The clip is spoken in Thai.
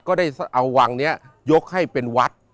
ก็ได้เอาวังนี้ยกให้เป็นวัด